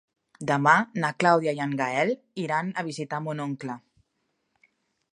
Demà na Clàudia i en Gaël iran a visitar mon oncle.